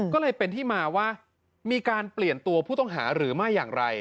ก็เลยเป็นที่มาว่ามีการเปลี่ยนตัวผู้ต้องหาหรือไม่อย่างไร